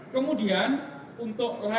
kemudian untuk layar